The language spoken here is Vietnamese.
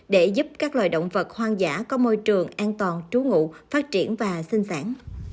để giúp các loài động vật hoang dã có môi trường an toàn trú ngụ phát triển và sinh sản